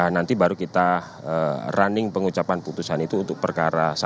nanti baru kita running pengucapan putusan itu untuk perkara satu